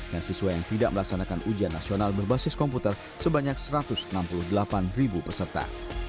dan siswa yang tidak melaksanakan ujian nasional berbasis komputer sebanyak satu ratus enam puluh delapan peserta